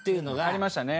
ありましたね。